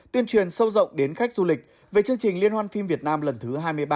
tuyên truyền sâu rộng đến khách du lịch về chương trình liên hoan phim việt nam lần thứ hai mươi ba